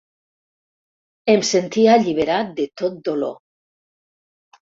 Em sentia alliberat de tot dolor.